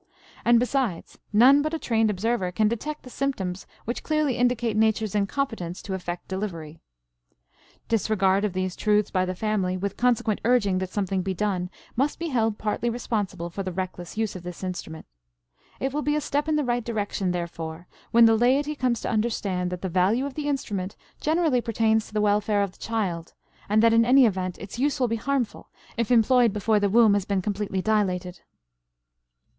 And besides, none but a trained observer can detect the symptoms which clearly indicate Nature's incompetence to effect delivery. Disregard of these truths by the family with consequent urging that something be done must be held partly responsible for the reckless use of the instrument. It will be a step in the right direction, therefore, when the laity comes to understand that the value of the instrument generally pertains to the welfare of the child, and that, in any event, its use will be harmful if employed before the womb has been completely dilated.